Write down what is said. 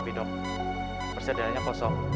tapi dok persediaannya kosong